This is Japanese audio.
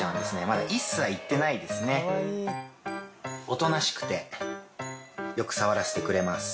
おとなしくてよく触らせてくれます。